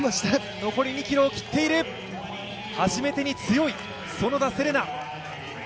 残り２ｋｍを切っている、初めてに強い園田世玲奈。